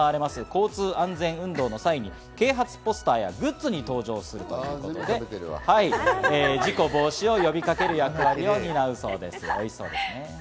交通安全運動の際に啓発ポスターやグッズに登場するということで、事故防止を呼びかける役割を担うそうです。